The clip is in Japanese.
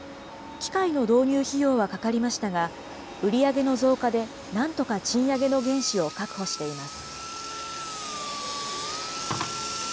機械の導入費用はかかりましたが、売り上げの増加でなんとか賃上げの原資を確保しています。